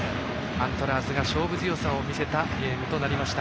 アントラーズが勝負強さを見せたゲームでした。